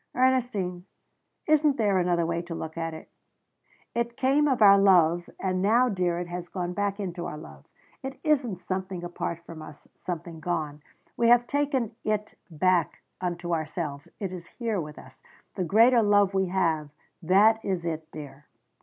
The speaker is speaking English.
"Ernestine, isn't there another way to look at it? It came of our love, and now, dear, it has gone back into our love. It isn't something apart from us, something gone. We have taken it back unto ourselves. It is here with us. The greater love we have that is it, dear."